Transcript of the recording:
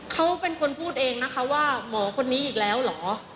เขาเป็นคนพูดเองนะคะว่าหมอคนนี้อีกแล้วเหรอ